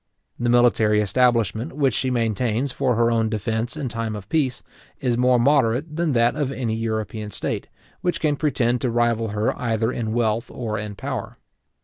The military establishment which she maintains for her own defence in time of peace, is more moderate than that of any European state, which can pretend to rival her either in wealth or in power.